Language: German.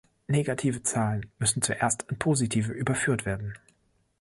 Negative Zahlen müssen zuerst in positive überführt werden.